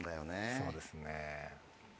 そうですね。